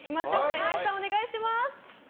岩井さん、お願いします。